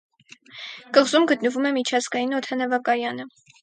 Կղզում գտնվում է միջազգային օդանավակայանը։